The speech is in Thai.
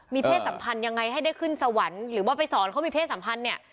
มีเพศสัมพันธ์ยังไงให้ได้ขึ้นสวรรค์หรือว่าไปสอนเขามีเพศสัมพันธ์เนี่ย